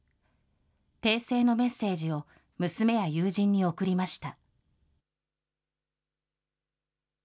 訂正のメッセージを娘や友人に送りました。